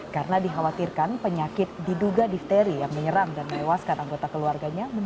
karena dikhawatirkan penyakit diduga difteri yang menyerang dan melewaskan anggota keluarganya menulang